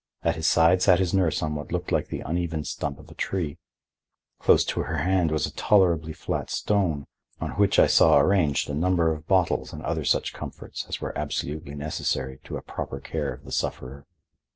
At his side sat his nurse on what looked like the uneven stump of a tree. Close to her hand was a tolerably flat stone, on which I saw arranged a number of bottles and such other comforts as were absolutely necessary to a proper care of the sufferer.